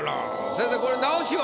先生これ直しは？